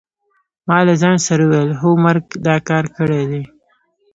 ما له ځان سره وویل: هو مرګ دا کار کړی دی.